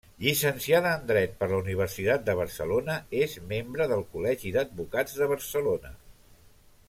Llicenciada en dret per la Universitat de Barcelona, és membre del Col·legi d'Advocats de Barcelona.